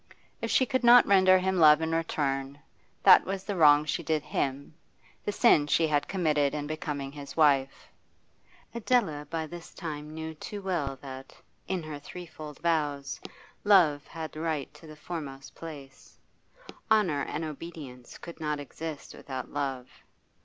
If she could not render him love in return, that was the wrong she did him, the sin she had committed in becoming his wife. Adela by this time knew too well that, in her threefold vows, love had of right the foremost place; honour and obedience could not exist without love.